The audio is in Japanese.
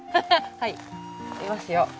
はいいますよ。